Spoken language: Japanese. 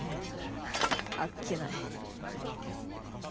あっけない。